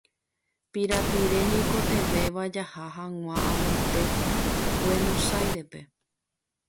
Pirapire ñaikotevẽva jaha hag̃ua amoite Guenosáirepe.